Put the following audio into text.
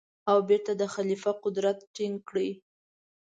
او بېرته د خلیفه قدرت ټینګ کړي.